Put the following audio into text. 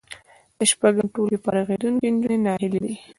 له شپږم ټولګي فارغېدونکې نجونې ناهیلې دي